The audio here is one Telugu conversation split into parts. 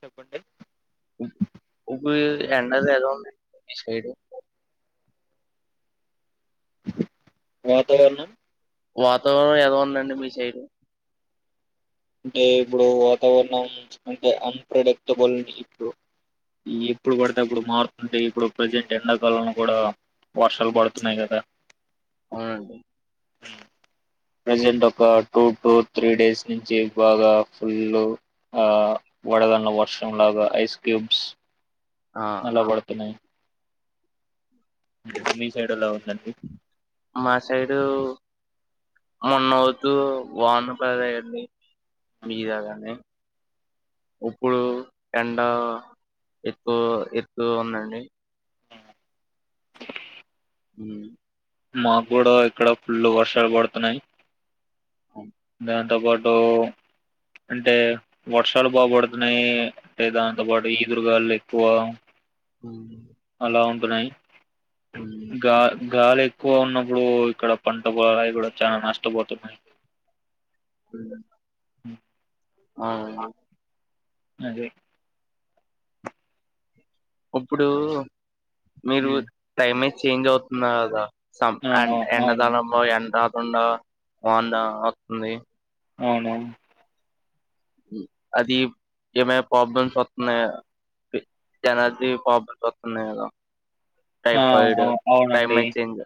చెప్పండి ఉబి ఎండలు ఎలా ఉంది మీ సైడ్ వాతావరణం వాతావరణం ఎలా ఉందండి మీ సైడ్ అంటే ఇప్పుడు వాతావరణం అంటే అన్ప్రడిక్టబుల్ ఇప్పుడు ఎప్పుడు పడితే అప్పుడు మారుతుంది ఇప్పుడు ప్రజెంట్ ఎండాకాలంలో కూడా వర్షాలు పడుతున్నాయి కదా అవును అండి ప్రజెంట్ ఒక టూ టూ త్రీ డేస్ నుంచి బాగా ఫుల్ ఆ వడగన్ల వర్షం లాగా ఐస్ క్యూబ్స్ ఆ మళ్ళా బడుతున్నాయి మీ సైడే ల్లో మా సైడు మొన్నవుతూ వానా పడేది మీదగాని ఇప్పుడు ఎండ ఎక్కువ ఎక్కువ ఉందండి ఉ మాకు కూడా ఇక్కడ ఫుల్లు వర్షాలు పడుతున్నాయి ఉమ్, దాన్ని ట బడ్డవో అంటే వర్షాలు బాపడుతున్నాయి అంటే దాంతో పాటు ఈదురుగాళ్లు ఎక్కువ మ్ ఉన్నయ్ గా గాలెక్ ఎక్కువ ఉన్నప్పుడు ఇక్కడ పంట పొలువి కూడా చాలా నష్టపోతున్నాయి హ్మ్. మ్ అవును అదే ఇప్పుడు మీరు ఉమ్ టైమే చేంజ్ అవుతున్నారు కదా సం ఆ ఎ అవును ఎండదళంలో ఎండ రాదుండా వాన తవత్తుంది అవునా అది ఏమై ప్రాబ్లమ్స్ వస్తున్నాయా ఎనర్జీ ప్రాబ్లమ్స్ వస్తున్నాయి కదా ఆ టైఫాయిడ్ అవు అవునండి టైమచేంజ్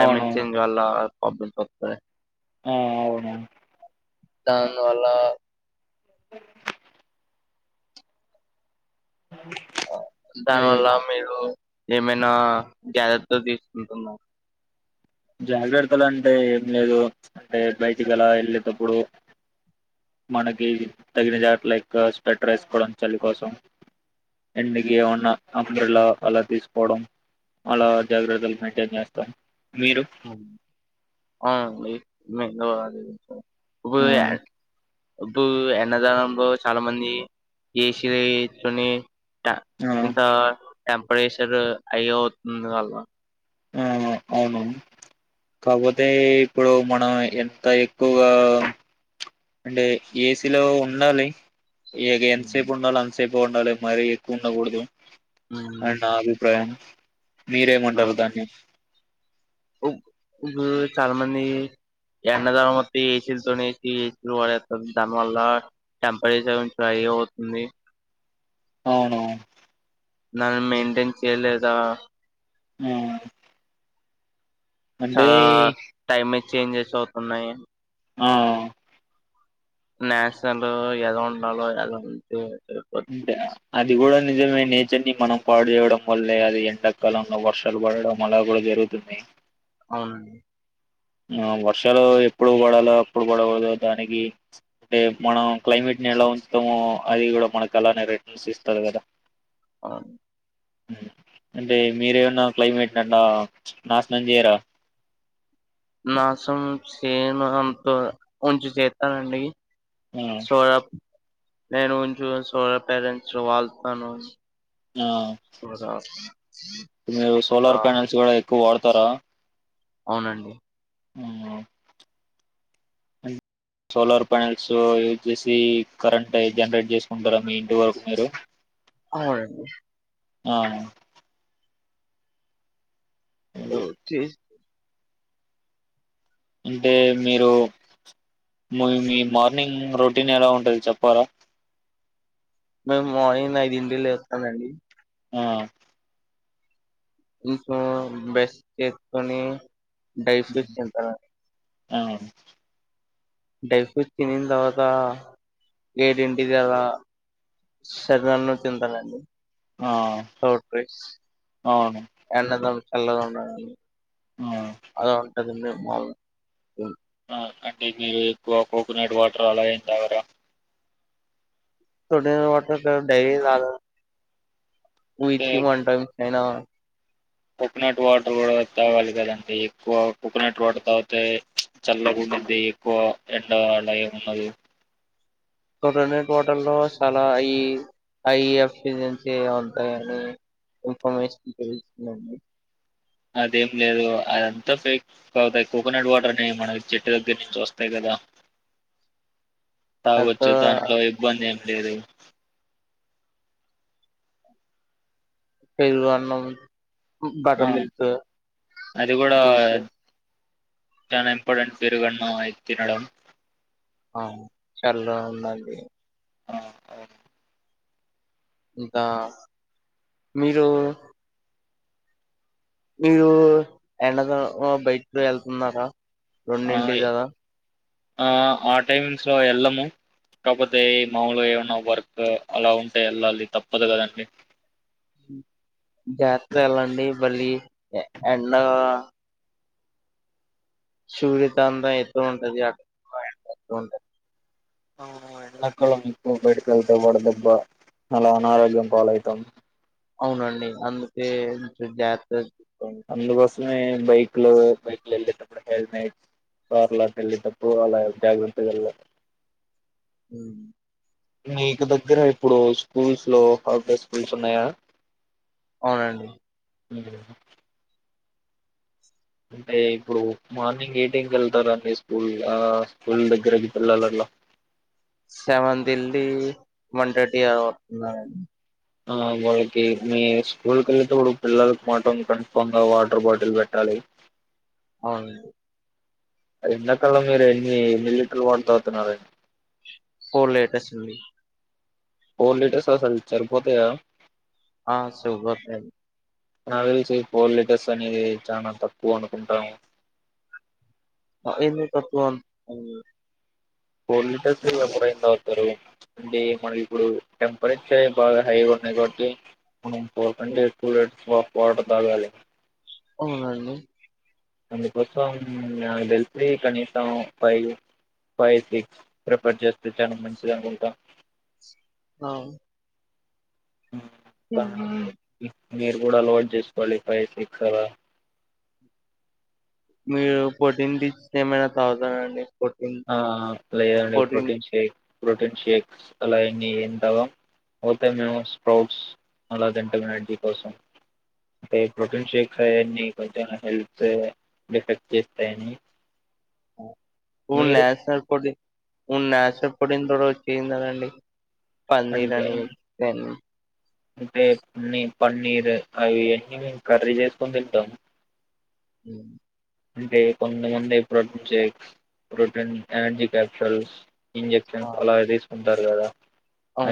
అవును చేంజ్ వల్ల ప్రాబ్లమ్స్ వత్తే ఆ అవునా దానివల్లా ఆ అంటే దానివల్ల మీరు ఏమైనా జాగ్రత్తలు తీసుకుంటున్నామ్ జాగ్రత్తలు అంటే ఏం లేదు అంటే బయటికి అలా వెళ్ళేటప్పుడు మనకి తగిన జట్ లెక్కువ స్వెట్టర్ ఏసుకోవడం చలి కోసం ఎన్నికి ఏమన్నా అంబ్రెల్లా అలా తీసుకోవడం అలా జాగ్రత్తలు మెయింటైన్ చేస్తాం మీరు అ లై ఇంకా అది ఆ వుయ్ ఆర్ ఇప్పుడు ఎన్నదానంలో చాలా మంది ఏసి లో ఏచోని ఆ ఇంక టెంపరేచర్ హై అవుతుంది వాళ్ల ఆ అవును కాపోతే ఇప్పుడు మన ఎంత ఎక్కువగా అంటే ఏసీలో ఉండాలి ఇగ ఉమ్ ఎంతసేపు ఉండాలో అంత సేప్ టేపుండాలి మరీ ఎక్కువ ఉండకూడదు అని నా అభిప్రాయం మీరేమంటారు దాన్ని ఉ ఉ చాల మంది ఎండాకాలం వొత్తే ఏసి చుంటునేకి ఏసి వాడతుంది దాని వల్ల టెంపరేచర్ ఇప్పుడు హై అవుతుంది అవునా నన్ను మెయింటైన్ చేయలేదా ఆ అంటే చాలా టైమే చేంజెస్ అవుతున్నాయి ఆ నాచురల్ ఎలా ఉండాలో ఎలా ఉంటే సరిపోద్ది అంతే అది కూడా నిజమే నేచర్ ని మనం పాడు చేేయడం వల్లే అది ఎండాకాలంలో వర్షాలు పడడం అలా కూడా జరుగుతున్నయ్ అవు ఆ వర్షాలు ఎప్పుడు పడాలో అప్పుడు పడకూడదు దానికి అంటే మనం క్లైమేట్ నెలా ఉంచటము అది కూడా మనకు అలానే రిటర్న్స్ ఇస్తారు కదా అవును హ్మ్. అంటే మీరేమన్నా క్లైమేట్ నాశనం చేయరా నాశం చేను అంత ఉంచ చేస్తానండి ఆ సోరా నేను ఉంచు సోరా పేరెట్స్ వాళతాను ఆ స మీరు సోలార్ ప్యానెల్స్ కూడా ఎక్కువ వాడతారా అవునండి హ్మ్. సోలార్ ప్యానెల్స్ యూజ్ చేసి కరెంట్ జనరేట్ చేసుకుంటారా మీ ఇంటి వరకు మీరు అవు ఆ ఓ చ అంటే మీరు మీ మీ మార్నింగ్ రొటీన్ ఎలా ఉంటుంది చెప్పారా మేము మార్నింగ్ ఐదింటిలు వస్తానండి ఆ ఇంచంచం బెస్ చేసుకొని డైఫ్యూస్ తంటారు ఆవు డై ఫ్రూట్ తనిందవత గేడ్ ఇంటిది అద సర నన్ను తింటానండి ఆ చడీ అవును ఎన్నద ఉ చల్లగా ఉండ ఆ అద ఉంటుందిండి అంటే మీరు ఎక్కువ కోకోనట్ వాటర్ అలా ఏ తగరా ోడ డైరాల వ అంటే వన్ టాైమ్ కాైనా కోకోనట్ వాటర్ కూడా తావాలి కదంటే ఎక్కువ కోకోనట్ వాటర్ తవాతా చల్లపు మధ్య ఎక్కువ ఎండ అడా ఏ ఉన్నది కొటనేెట్ వాటర్ లో చాలా ఈ ఐఎఫ్జెన్సీ ఉంటాయిని ఇన్ఫర్మేషన్ తెస్తుందండి అదేం లేదు అదంతా ఫేక్ కావుతా కోకోనట్ వాటర్ అని మనకి చెట్టు దగ్గర నుంచి వస్తాయి కదా తర్వాత కావచ్చు దాంట్లో ఇబ్బంది ఏం లేదు పరు అన్నం ఆ బటర్ మల్క్ అది కూడా జూస్ చాలా ఇంపార్టెంట్ పేరుగన్న అయి తినడం ఆ చాలా ఉందండి ఆ అవు అంత మీరు మీరు ఎండ బయట వెళ్తున్నారా ఆ రెండింటి కదా ఆ ఆ టైమిస్ లో వెళ్ళము కాకపోతే ఈ మాములుగా ఏమన్నా వర్క్ అలా ఉంటే వెళ్ళాలి తప్పదు కదండి జాత ఎలాండి మళ్ళీ ఎండ సూర్యత అందం ఎతు ఉంటది అ ఎ ఎ ఉంటది ఓహ ఎలక్కళం ఎక్కువ బయటక వెళ్తేా వాడదెబ్బ అలా అనారోగ్యం బాల అవుతుంది అవునండి అందుకే జాత అందుకోసమే బైక్ లో బైక్లు వెళ్ళేటప్పుడు హెల్మట్ వార్లాట వెళ్లిటప్పుూవాల జాగ్రత్తగాల హ్మ్. మీకు దగ్గర ఇప్పుడు స్కూల్స్ లో హార్డ్ డెస్క్ వీల్స్ ఉన్నాయా? అవునండి. [unintelligible] అంటే ఇప్పుడు మార్నింగ్ ఏ టైంకి వెళ్తారండి. స్కూల్ ఆ స్కూల్ దగ్గరకి పిల్లలల్లా సెవెంత్ ఎల్లీ వన్ థర్టీ అలా అత్తున్నారండి. ఆ వాళ్ళకి మీ స్కూల్కి వెళ్ళేటప్పుడు పిల్లలలకు మాటం కనీతంద వాటర్ బాటిల్ పెట్టాలి అవునండి అది ఎండాకలామ్ గదా ఎన్ని ఎన్ని లీటర్లు వాటలు తావుతున్నారండి. ఫోర్ లేటెస్ అండి. ఓ లీటర్స్ అసలు చరిపోతాయా? ఆ సగోతాయి. నాకి తెలిసి పోర్ లీటర్స్ అనేది చానా తక్కువ అనుకుంటాము. ఆహ ఎందుకు తక్కువ మ్ ఫోర్ లీటర్స్ [unintelligible] ఎవరైనా తాగుతారు. అంటే మనకి ఇప్పుడు టెంపరేచర్ బాగా హైగా ఉన్నాయి కాబట్టి మనం ఫోర్ కంటే ఎక్కువ లీటర్స్ వా వాటర్ తాగాలి. అవునండి. అందుకోసం నాక్ దెలిసీ కనీసం ఫై ఫైవ్ సిక్స్ ప్రిఫర్ చెస్తే చానా మంచిగానే ఉంటాము. ఆవు ఇంకా ఉహుం మీరు కూడా అలవాటు చేసుకోవాలి. ఫైవ్ సిక్స్ అలా మీరు ఫోర్టీన్ డిట్స్ ఏమైనా తాగుతారండి. ప్రోటీన్ ఆ లేదండి ప్రోటీన్ షేక్ ప్రోటీన్ షేక్ ఆలయన్ని ఏ తాగా పోతే మేము స్పోర్ట్స్ అలా తింటము ఎనర్జీ కోసం ఏ ప్రోటీన్షేక్ ఆయన్ని కొంచం హెల్ప్సే ఎఫెక్ట్ చేస్తయని ఫుడ్ నాచురల్ ఫుడ్ తీ ఫుడ్ నాచురల్ ఫుడ్ ఇంద రోజ్ తీన్దా అండి. పన్నీరు అంటే అని నేన్ అంటే పన్నీ పన్నీర్ అవివన్నీ మేము కర్రీ చేసుకొని తింటము. ఉమ్ అంటే కొంతమంది ప్రోటీన్ షేక్స్ ప్రోటీన్ క్యాండీకపిటల్స్ ఇంజక్షన్స్ అలా తీసుకుంటారు. కదా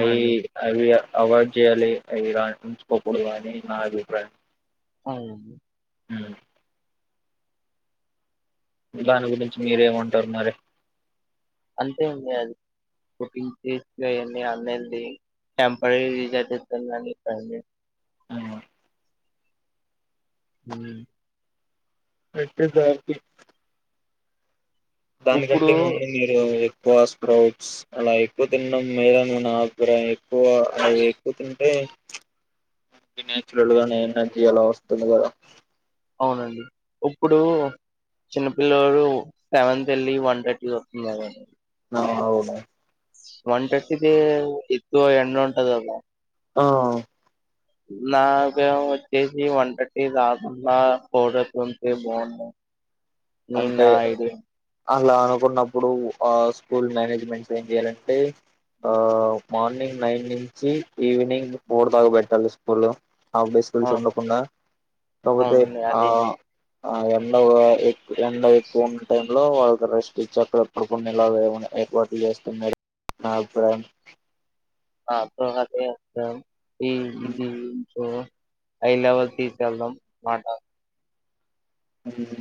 అయి అవి అవాయిడ్ జేయాలి ఆవిరకంచ్ పోకూడదని నా అభిప్రాయం. అవును మ్ ఎలాంటి గురించి మీరేమంటారు మరే అంతే అండి అది కుకింగ్ చేస్తే అన్నీ ఆన్లైన్డీ టెంపరీ గా ఇది అది జెత్తండి అని పిత్తంది ఉమ్ పెట్టే దానికి ఇప్పుడు దానికంటే ముందు మీరే వాస్ స్క్రౌట్స్ అలా ఎక్కువ తినడంవల్ల ను నాక్ ఎక్కువ అవి ఎక్కువ తింటే నాచురల్ గానే ఎనర్జీ ఎలా వస్తుంది. కదా అవునండి ఇప్పుడు చిన్నపిల్లోడు సెవెన్త్ వెళ్ళి వన్ థర్టీ వస్తుంది అలా అ అవును వన్ థర్టీ కి ఎక్కువ ఎండ ఉంటది గదా ఆ నాకేమో వచ్చేసి [unintelligible] రాకున్నా కోడలికి వస్తే బాగుంటాది అంటే అలా అనుకున్నప్పుడు ఆ స్కూల్ మేనేజ్మెంట్స్ మెయింటైన్ చేయాలంటే ఆ మార్నింగ్ నైన్ నుంచి ఈవినింగ్ ఫోర్ దాకా పెట్టాలి స్కూల్ హాఫ్ డే స్కూల్స్ అవును ఉండకుండా కాకపోతే అవునండి ఆ అదే ఎండవ ఎండ ఎక్కువ ఉన్న టైం లో వాళ్ళకి రెస్ట్ ఇచ్చి అక్కడ ఎప్పుడు కొన్ని ఇలాగ ఏ ఏర్పాట్లు చేస్తే మేలే [unintelligible] [unintelligible] ఈ ఇది సో హై లెవెల్ తీసుకెళ్దాం మాట హామ్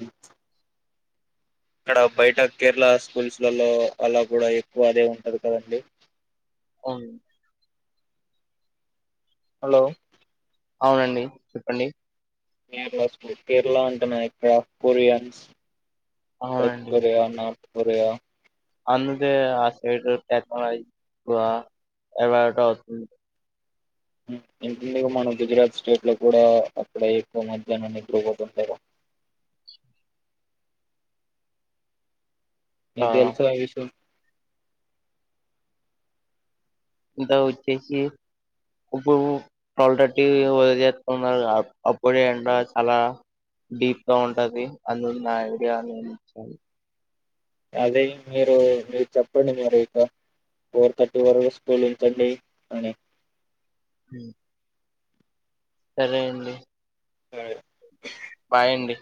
ఇక్కడ బయట కేరళ స్కూల్స్లలో అలా కూడా ఎక్కువ అదే ఉంటది కదండి అవును హలో అవునండి చెప్పండి కేరళ స్ కేరళ అంటు నా ఇక్కడ కొరియన్స్ సౌత్ అవునండి కొరియా నార్త్ కొరియా అందుకే ఆ సైడ్ టెక్నాలజీ ఎక్కువగా [unintelligible] ఇందుకు మన గుజరాత్ స్టేట్ లో కూడా అక్కడ ఎక్కువ మధ్యాహ్నం నిద్రపోతూ ఉంటారు ఆ, మీకు తెలుసా ఈ విషయం ఇంతా వచ్చేసి ఇప్పుడు ట్వల్వ్ థర్టీ వది చేస్తోంది అప్పుడే ఎండ చలా డీప్గా ఉంటది అన్న నా ఐడియా [unintelligible] అదే మీరు మీరు చెప్పండి మీరు ఇక ఫోర్ తర్టీ వరకు స్కూలు ఉంచండి అని హామ్ సరే అండి [unintelligible] బాయ్ అండి